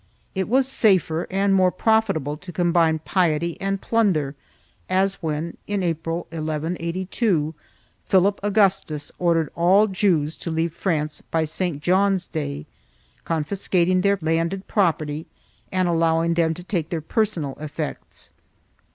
2 It was safer and more profitable to combine piety and plunder as when, in April, 1182, Philip Augustus ordered all Jews to leave France by St. John's day, confiscating their landed property and allowing them to take their personal effects.